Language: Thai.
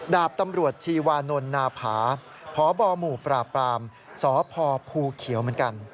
ดาบตำรวจชีวานนท์นาผาพบหมู่ปราบปรามสพภูเขียวเหมือนกัน